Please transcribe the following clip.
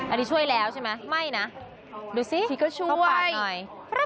อันนี้ช่วยแล้วใช่ไหมไม่นะดูสิก็ชั่วปากหน่อย